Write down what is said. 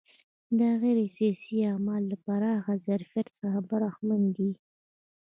دا غیر سیاسي اعمال له پراخ ظرفیت څخه برخمن دي.